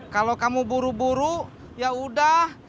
kalau kamu buru buru ya udah